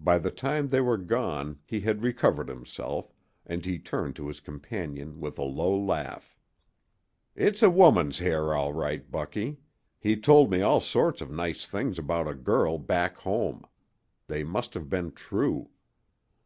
By the time they were gone he had recovered himself, and he turned to his companion with a low laugh. "It's a woman's hair, all right, Bucky. He told me all sorts of nice things about a girl `back home.' They must have been true."